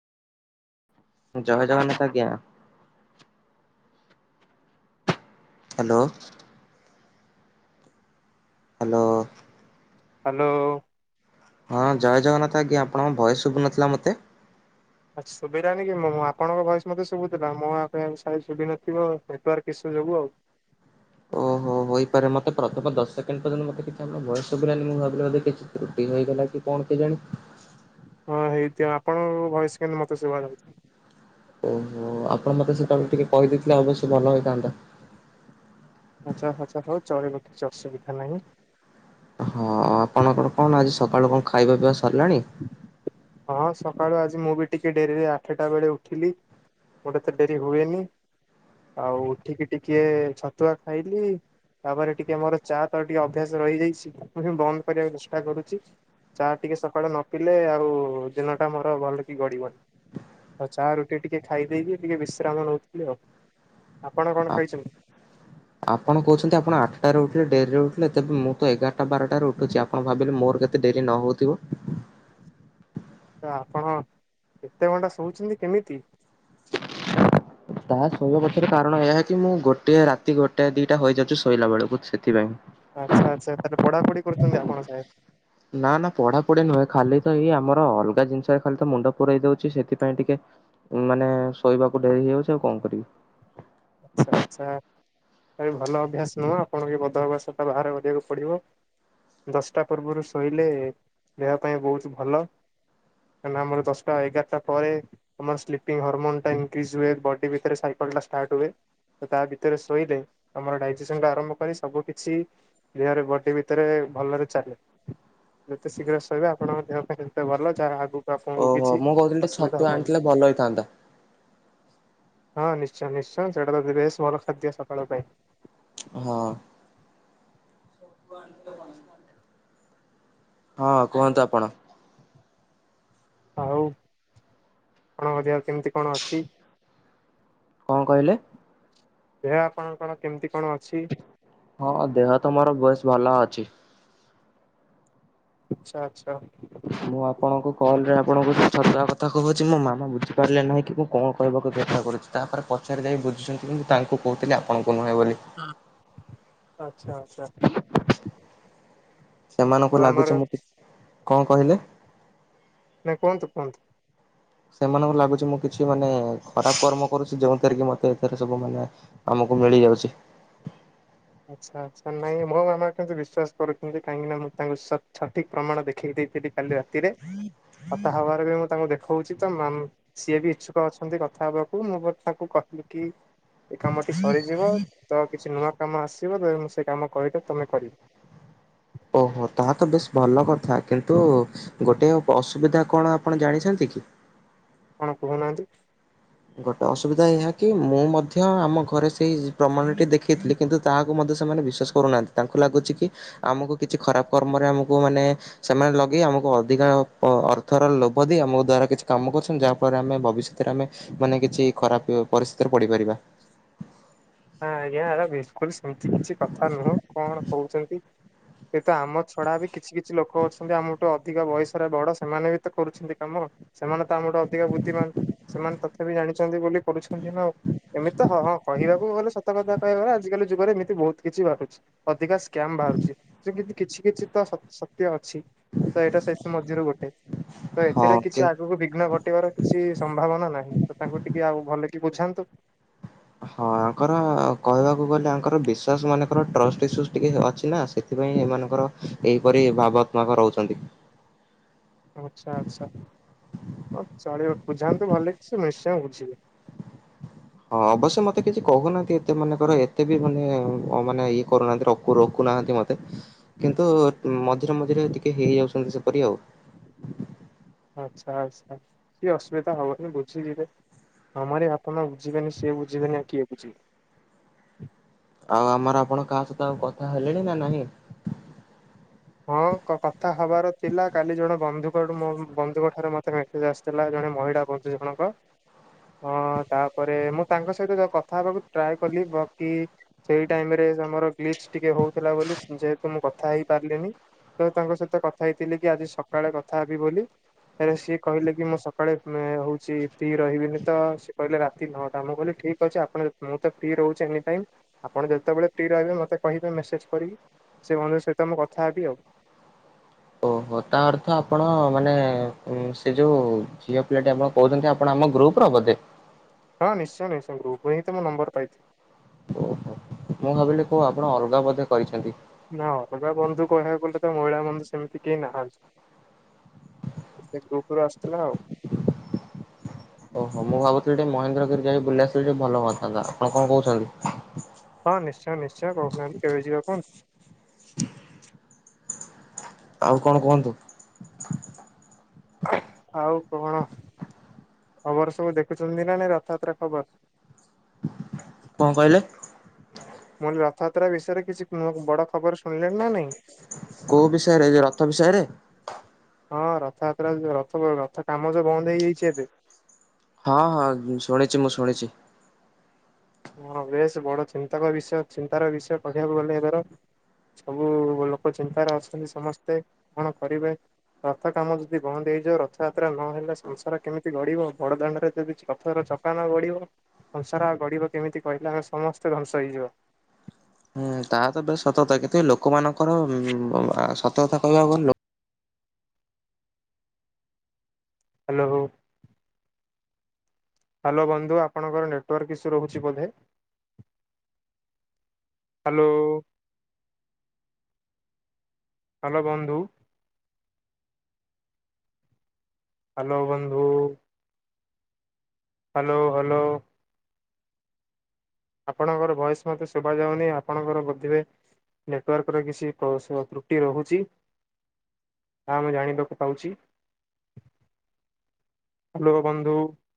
ଜୟ ଜଗନ୍ନାଥ ଆଜ୍ଞା। Hello. Hello. Hello. ହଁ ଜୟ ଜଗନ୍ନାଥ ଆଜ୍ଞା ଆପଣଙ୍କ ଭଏସ୍ ଶୁଭୁନଥିଲା ମୋତେ। ଆଛ ଶୁଭିଲାନି କି ମୁଁ ମୋ ଆପଣଙ୍କ ଭଏସ୍ ମୋତେ ଶୁଭୁଥିଲା ମୋ [unintelligible] ଶୁଭିନଥିବ ନେଟୱାରକ୍ ଇସ୍ୟୁ ଯୋଗୁଁ ଆଉ। ଓହୋ ହୋଇପାରେ ମୋତେ ପ୍ରଥମ ଦଶ ସେକଣ୍ଡ ପର୍ଯ୍ୟନ୍ତ ମତେ କିଛି ଆପଣ ଭଏସ୍ ଶୁଭିଲାନି ମୁଁ ଭାବିଲି ବୋଧେ କିଛି ତ୍ରୁଟି ହୋଇଗଲା କି କଣ କେଜାଣି। ହଁ ହେଇଥିବ ଆପଣଙ୍କ ଭଏସ୍ କେମିତି ମୋତେ ଶୁଭା ଯାଉଥିଲା। ଓହୋ ଆପଣ ମୋତେ ସେତେବେଳକୁ ଟିକେ କହି ଦେଇଥିଲେ ଅବଶ୍ୟ ଭଲ ହୋଇ ଥାନ୍ତା। ଆଚ୍ଛା ଆଚ୍ଛା ହଉ ଚଳବ କିଛି ଅସୁବିଧା ନାହିଁ। ହଁ ଆପଣଙ୍କର କଣ ଆଜି ସକାଳୁ କଣ ଖାଇବା ପିଇବା ସ ସରିଲାଣି। ହଁ ସକାଳୁ ଆଜି ମୁଁ ବି ଟିକେ ଡେରିରେ ଆଠଟା ବେଳେ ଉଠିଲି ମୋର ଏତେ ଡେରି ହୁଏନି। ଆଉ ଉଠିକି ଟିକିଏ ଛତୁଆ ଖାଇଲି ତାପରେ ଟିକେ ମୋର ଚା ତ ଟିକେ ଅଭ୍ୟାସ ରହିଯାଇଛି [unintelligible] ବନ୍ଦ କରିବାକୁ ଚେଷ୍ଟା କରୁଛି ଚା ଟିକେ ସକାଳୁ ନ ପିଲେ ଆଉ ଦିନଟା ମୋର ଭଲ କି ଗଡିବନି ଆଉ ଚା ରୁଟି ଟିକେ ଖାଇ ଦେଇକି ଟିକେ ବିଶ୍ରାମ ନେଉଥିଲେ ଆଉ। ଆପଣ କଣ ଆପ୍ ଖାଇଛନ୍ତି? ଆପଣ କହୁଛନ୍ତି ଆପଣ ଆଠଟାରେ ଉଠିଲେ ଡେରିରେ ଉ ଠିଲେ ତେବେ ମୁଁ ତ ଏଗାରଟା ବାରଟାରେ ଉଠୁଛି ଆପଣ ଭାବିଲେ ମୋର କେତେ ଡେରି ନହଉଥିବ। ତ ଆପଣ ଏତେ ଘଣ୍ଟା ଶୋଉଛନ୍ତି କେମିତି? ତାହା ଶୋଇବା ପଛରେ କାରଣ ଏହା କି ମୁଁ ଗୋଟଏ ରାତି ଗୋଟାଏ ଦିଟା ହୋଇଯାଉଛି ଶୋଇଲା ବେଳକୁ ସେଥିପାଇଁ। ଆଚ୍ଛା ଆଚ୍ଛା ତାହେଲେ ପଢାପଢି କରୁଛନ୍ତି ଆପଣ ସାଏଦ୍ ନା ନା ପଢାପଢି ନୁହେଁ ଖାଲି ତ ଏଇ ଆମର ଅଲ୍ ଜିନିଷରେ ଖାଲି ତ ମୁଣ୍ଡ ପୁରଇ ଦଉଛି ସେଥିପାଇଁ ଟିକେ ମାନେ ଶୋଇବାକୁ ଡେରି ହେଇଯାଉଛି ଆଉ କଣ କରିବି। ଆଚ୍ଛା ଆଚ୍ଛା ଏ ଭଲ ଅଭ୍ୟାସ ନୁହେଁ ଆପଣ ଏ ବଦଅଭ୍ୟାସଟା ବାହାର କରିବାକୁ ପଡ଼ିବ। ଦଶଟା ପୂର୍ବରୁ ଶୋଇଲେ ଦେହ ପାଇଁ ବହୁତ ଭଲ କାହିଁକିନା ଆମର ଦଶଟା ଏଗାରଟା ପରେ ଆମର ସ୍ଲିପିଙ୍ଗ ହର୍ମୋନ୍ ଟା ଇନକ୍ରିଜ ହୁଏ ବଡ଼ି ଭିତରେ ସାଇକଲ୍ଟା ଷ୍ଟାର୍ଟ ହୁଏ। ତ ତା ଭିତରେ ଶୋଇଲେ ଆମର ଡାଇଜେସନଟା ଆରମ୍ଭ କରି ସବୁ କିଛି ଦେହରେ ବଡି ଭିତରେ ଭଲରେ ଚାଲେ। ଯେତେ ଶୀଘ୍ର ଶୋଇବେ ଆପଣଙ୍କ ଦେହ ପାଇଁ ସେତେ ଭଲ ଯାହା ଆଗକୁ ଆପଣଙ୍କୁ ଓହୋ କିଛି ମୁଁ କହୁଥିଲିଟି ଅସୁବିଧା ଛତୁ ହବନି। ଆଣିଥିଲେ ଭଲ ହେଇଥାନ୍ତା। ହଁ ନିଶ୍ଚୟ ନିଶ୍ଚୟ ହୁଁ ସେଟା ତ ବେଶ ଭଲ ଖାଦ୍ୟ ସକାଳ ପାଇଁ। ହଁ [unintelligible] ହଁ କୁହନ୍ତୁ ଆପଣ। ଆଉ କଣ ଆପଣଙ୍କ ଦେହ କେମିତି କଣ ଅଛି? କଣ କହିଲେ? ଦେହ ଆପଣ କଣ କେମିତି କଣ ଅଛି? ହଁ ଦେହ ମୋର ବେଶ ଭଲ ଅଛି। ଆଛା ଆଛା। ମୁଁ ଆପଣଙ୍କ କଲ ରେ ଆପଣଙ୍କୁ ଛତୁଆ କଥା କହୁଛି ମୋ ମାମା ବୁଝିପାରିଲେ ନାହିଁ କି ମୁଁ କଣ କହିବାକୁ ଚେଷ୍ଟା କରୁଛି। ତାପରେ ପଚାରି ଯାଇ ବୁଝୁଛନ୍ତି ମୁଁ ତାଙ୍କୁ କହୁଥିଲି ଆପଣଙ୍କୁ ନୁହେଁ ବୋଲି। ହ ଆଚ୍ଛା ଆଚ୍ଛା। ସେମାନଙ୍କୁ ଆଉ ଲାଗୁଛି ଆମର ମୁଁ ଟି- କଣ କହିଲେ? ନାଇଁ କୁହନ୍ତୁ କୁହନ୍ତୁ। ସେମାନଙ୍କୁ ଲାଗୁଛି ମୁଁ କିଛି ମାନେ ଖରାପ କର୍ମ କରୁଛି ଯୋଉ ଏର କି ମତେ ଏଥିରେ ସବୁ ମାନେ ଆମକୁ ମିଳିଯାଉଛି ଆଚ୍ଛା ଆଛା ନାଇଁ ମୋ ମାମା କେମିତି ବିଶ୍ୱାସ କରୁଛନ୍ତି କାହିଁକି ନା ମୁଁ ତାଙ୍କୁ ସଠିକ ପ୍ରମାଣ ଦେଖି ଦେଖେଇ ଦେଇଥିଲି କାଲି ରାତିରେ। କଥା ହବାରେ ବି ମୁଁ ତାଙ୍କୁ ଦେଖି ହଉଛି ତ ସିଏ ବି ଇଚ୍ଛୁକ ଅଛନ୍ତି କଥା ହବାକୁ। ମୁଁ ତାକୁ କହିଲି କି? ଏ କାମଟି ସରିଯିବ ତ କିଛି ନୂଆ ଆସିବ ତ ମୁଁ ସେ କାମ କହିଦ ତମେ କରିବ। କିୁ ଗୋଟେ ଅସୁବିଧା କଣ ଆପଣ ଜାଣିଛନ୍ତି କି? କଣ କହୁନାହାନ୍ତି? ଗୋଟେ ଅସୁବିଧା ଏହା କି ମୁଁ ମଧ୍ୟ ଆମ ଘରେ ସେଇ ପ୍ରମାଣଟି ଦେଖେଇଥିଲି କିନ୍ତୁ ତାହାକୁ ମଧ୍ୟ ସେମାନେ ବିଶ୍ଵାସ କରୁନାହାନ୍ତି। ତାଙ୍କୁ ଲାଗୁଛି କି ଆମକୁ କିଛି ଖରାପ କର୍ମରେ ଆମକୁ ମାନେ ସେମାନେ ଲଗେଇ ଆମକୁ ଅଧିକା ଅର୍ଥର ଲୋଭ ଦେଇ ଆମ ଦ୍ଵାରା କିଛି କାମ କରୁଛନ୍ତି। ଯାହାଫଳରେ ଆମେ ଭବିଷ୍ୟତରେ ଆମେ ମାନେ କିଛି ଖରାପ ପରିସ୍ଥିତିରେ ପଡିପାରିବା। ହଁ ଆଜ୍ଞା ବିଲକୁଲ ସେମତି କିଛି କଥା ନୁହଁ। କଣ କହୁଛନ୍ତି ତ ଆମ ଛଡା ବି କିଛି କିଛି ଲୋକ ଅଛନ୍ତି ଆମଠୁ ଅଧିକ ବୟସରେ ବଡ ସେମାନେ ବି ତ କରୁଛନ୍ତି କାମ। ସେମାନେ ତ ଆମଠୁ ଅଧିକ ବୁଦ୍ଧିମାନ। ସେମାନେ ତଥାପି ଜାଣିଛନ୍ତି ବୋଲି କରୁଛନ୍ତିଉ। ଏମିତି ତ ହ ହଁ କହିବାକୁ ଗଲେ ସତକତା କହିବାର ଆଜିକାଲି ଯୁଗରେ ଏମିତି ବହୁତ କିଛି ବାହାରୁଛି। ଅଧିକା ସ୍କାମ୍ ବାହାରୁଛିତି କିଛି କିଛି ତ ସତ୍ୟ ଅ ଅ ତ ଏଇଟା ସେଥିମରୁ ଗୋଟେ ତ ହଁ ଏଥିରେ କିନ୍ତୁ କିଛି ଆଗକୁ ବିଘ୍ନ ଘଟିବାର କିଛି ସମ୍ଭାବନା ନାହିଁ। ତ ତାଙ୍କୁ ଟିକେ ଆଉ ଭଲ କି ବୁଝନ୍ତୁ ହଁ ତାଙ୍କର କହିବାକୁ ଗଲେଙ୍କର ବିଶ୍ାସ ମାନଙ୍କର ଟଷ୍ଟଇୁ ଟିକେ ଅଛି ନା। ସେଥିପାଇଁ ସେମାନଙ୍କର ଏହିପରି ଭାବତ୍ମାକ ରହୁଛନ୍ତି। ଆଚ୍ଛା ଆଚଛା ହଉ ଚଳିବା ବୁଝାନ୍ତୁ ଭଲ ଲାଗିଛିଁ ନିଶ୍ଚୟ ବୁଝିବି ହଁ ଅବଶ୍ୟ ମତେ କିଛି କହୁନାହାନ୍ତି ଏତେ ମାନେଙ୍କର ଏତେ ବି ମାନେ ମାନେ ଇଏ କରୁନାହାନ୍ତି ରଖୁନାହାନ୍ତି ମତେ। କିନ୍ତୁ ମଝିରେ ମଝିରେ ଟିକେ ହେଇଯାଉଛନ୍ତି ସେପରି ଆଉ। ଆଚ୍ଛା ଆଚ୍ଛା ସିଏ ଅସୁବିଧା ହବନି ବୁଝିଯିବେ। ଆମରି ବାପା ମା ବୁଝିବେନି ସିଏ ବୁଝିବେନି ଆଉ କିଏ ବୁଝିବେ। ଆଉ ଆମର ଆପଣ କାହା ସହିତ ଆଉ କଥା ହେଲେଣି ନା ନହିଁ। ହଁ ତାପଟୁ ମୋ ବନ୍ଧୁଙ୍କ ଠାରୁ ମୋତେ ମେସେଜ୍ ଆସିଥିଲା ଜଣେ ମହିଳା ବନ୍ଧୁ ଜଣକଁ ତାପରେ ମୁଁ ତାଙ୍କ ସହିତ କଥା ହେବାକୁ ଟ୍ରାଏ କଲି କି ସେଇ ଟାଇମ୍ରରେ ଆମର ଗ୍ଲିଚ୍ ଟିକେ ହେଉଥିଲା ବୋଲି ଯେହେତୁ ମୁଁ କଥା ହେଇପାରିଲିନି। ତ ତାଙ୍କ ସହିତ କଥା ହେଇଥିଲି କି ଆଜି ସକାଳେ କଥା ହେବି ବୋଲି ହେଲେ ସିଏ କହିଲେ କି ମୁଁ ସକାଳେ ହଉଛି ଫ୍ରି ରହିବିନି ତ ସିଏ କହିଲେ ରାତି ନଅଟା ମୁଁ କହିଲି ଠିକ୍ ଅଛି ଆପଣ ମୁଁ ତ ଫ୍ରି ରହୁଛି ଏନି ଟାଇମ ଆପଣ ଯେତେବେଳେ ଫ୍ରି ରହିବେ ମତେ କହିବେ ମେସେଜ କରିକି। ସେ ବନ୍ଧୁଙ୍କ ସହିତ ମୁଁ କଥା ହେବି ଆଉ। ଓହୋ ତା ଅର୍ଥ ଆପଣ ମାନେ ସେ ଯୋଉ ଝିଅ ପିଲାଟି ଆପଣ କହୁଛନ୍ତି ଆପଣ ଆମ ଗ୍ରୁପ ର ବୋଧେ ହଁ ନିଶ୍ଚୟ ନିଶ୍ଚୟ ଗ୍ରୁପ ର ମୁଁ ନମ୍ବର ପାଇଥିଲି। ଓହୋ ମୁଁ ଭାବିଲି କୁହ ଆପଣ ଅଲଗା ବୋଧେ କରିଛନ୍ତି। ନା ଅଲଗା ବନ୍ଧୁ କହିବାକୁ ଗଲେ ତ ମହିଳା ବନ୍ଧୁ ସେମିତି କେହି ନାହାନ୍ତି। ସେ କୁକୁରୁ ଆସିଥିଲା ଆଉ। ଓହୋ ମୁଁ ଭାବୁଥିଲି ମହେନ୍ଦ୍ରଗିରି ଯା ବୁଲାସ ଟେ ଭଲ ହଥାନ୍ତା। ଆପଣ କଣ କହୁଛନ୍ତି? ହଁ ନିଶ୍ଚୟ ନିଶ୍ଚୟ କହୁନାହାନ୍ତି କେବେ ଯିବା କୁହନ୍ତୁ। ଆଉ କଣ କୁହନ୍ତୁ। ଆଉ କଣ ଖବର ସବୁ ଦେଖୁଛନ୍ତି ନା ନାଇ ରଥଯାତ୍ରା ଖବର। କଣ କହିଲେ? ମୁଁ କହିଲି ରଥଯାତ୍ରା ବିଷୟରେ କିଛି ବଡ ଖବର ସୁ କୋଉ ବିଷୟରେ ଏ ରଥ ବିଷୟରେ ହଁ ରଥଯାତ୍ରା ରଥ ରଥ କାମ ଯୋଉ ବନ୍ଦ ହେଇଯାଇଛି ଏବେ। ହଁ ହଁ ଶୁଣିଛି ମୁଁ ଶୁଣିଛି। ହଁ ବେଶ ବଡ ଚିନ୍ତାକ ବିଷୟ ଚିନ୍ତାର ବିଷୟ କହିବାକୁ ଗଲେ [inaudible] ସବୁ ଲୋକ ଚିନ୍ତାରେ ଅଛନ୍ତି ସମସ୍ତେ କଣ କରିବେ ରଥ କାମ ଯଦି ବନ୍ଦ ହେଇଯିବ ରଥଯାତ୍ରା ନହେଲେ ସଂସାର କେମିତି ଗଢିବ ବଡ ଦାଣ୍ଡରେ ଯଦି ରଥର ଚକା ନ ଗଡିବ ସଂସାର ଗଢିବ କେମିତି କହିଥା ସମସ୍ତେ ଧ୍ୱଂସ ହେଇଯିବ। ହୁଁ ତାହା ତ ପୁରା ସତ କଥା କିନ୍ତୁ ଲୋକମାନଙ୍କର ଉଁମ୍ ସତକଥା କହିବାକୁ ଗଲେ ଲୋ ହାଲୋ ହାଲୋ ବନ୍ଧୁ ଆପଣଙ୍କର ନେଟୱାର୍କ ଇସୁ ରହୁଛି ବୋଧେ ହାଲୋ ହାଲୋ ବନ୍ଧୁ ହାଲୋ ବନ୍ଧୁ। Hello hello. ଆପଣଙ୍କର ଭୋଇସ ମତେ ଶୁଭା ଯାଉନି ଆପଣଙ୍କର ପଟରେ ହୁଏ ନେଟୱାର୍କ ର କିଛି ତ୍ରୁଟି ରହୁଛି ତାହା ମୁଁ ଜାଣିବାକୁ ପାଉଛି, ହେଲୋ ବନ୍ଧୁ।